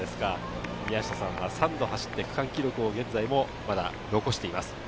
宮下さんは３度走って区間記録をまだ残しています。